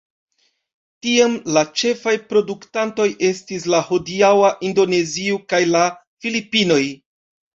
Tiam la ĉefaj produktantoj estis la hodiaŭa Indonezio kaj la Filipinoj.